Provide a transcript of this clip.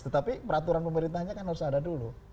tetapi peraturan pemerintahnya kan harus ada dulu